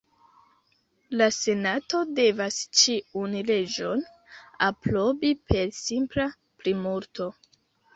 La Senato devas ĉiun leĝon aprobi per simpla plimulto.